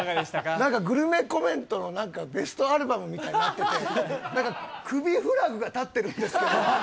なんか、グルメコメントの、なんかベストアルバムみたいになってて、なんか、クビフラグが立ってるんですけど。